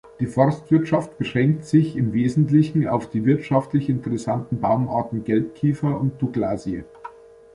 Die Forstwirtschaft beschränkt sich im Wesentlichen auf die wirtschaftlich interessanten Baumarten Gelb-Kiefer und Douglasie.